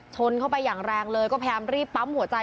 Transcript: ชนเข้าไปอย่างแรงเลยก็พยายามรีบปั๊มหัวใจ